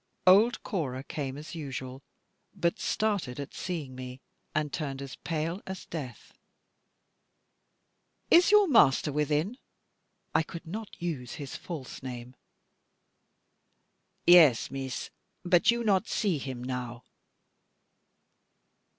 Old Cora came as usual; but started at seeing me, and turned as pale as death. "Is your master within?" I could not use his false name. "Yes, Meesa, but you not see him now."